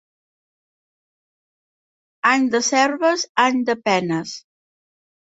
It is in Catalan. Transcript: Any de serves, any de penes.